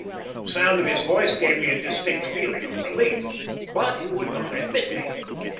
The sound of his voice gave me a distinct feeling of relief. But he would not admit me.